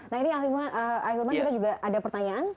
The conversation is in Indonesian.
nah ini ahli iman kita juga ada pertanyaan